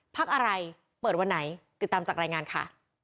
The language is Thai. พักอะไรเปิดวันไหนติดตามจากรายงานค่ะ